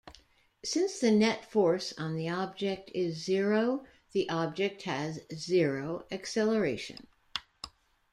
Since the net force on the object is zero, the object has zero acceleration.